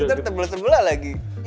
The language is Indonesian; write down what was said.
itu kita belas belas lagi